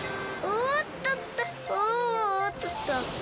おっとっと。